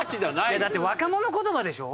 だって若者言葉でしょ？